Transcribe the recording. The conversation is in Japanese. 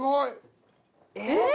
えっ？